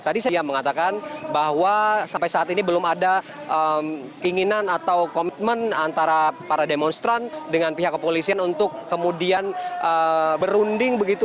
tadi saya mengatakan bahwa sampai saat ini belum ada keinginan atau komitmen antara para demonstran dengan pihak kepolisian untuk kemudian berunding begitu